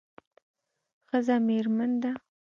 ښځه میرمن ده